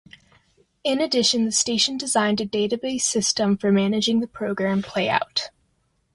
In addition, the station designed a database system for managing the program playout.